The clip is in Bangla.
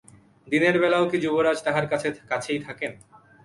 দিনের বেলাও কি যুবরাজ তাহার কাছেই থাকেন?